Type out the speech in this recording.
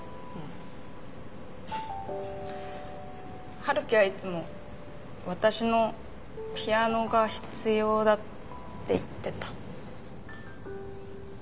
陽樹はいつも私のピアノが必要だって言ってた。